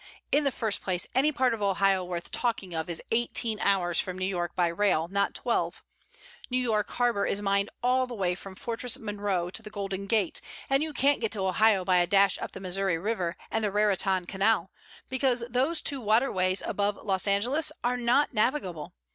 In the first place, any part of Ohio worth talking of is eighteen hours from New York by rail, not twelve. New York Harbor is mined all the way from Fortress Monroe to the Golden Gate; and you can't get to Ohio by a dash up the Missouri River and the Raritan Canal, because those two waterways above Los Angeles are not navigable.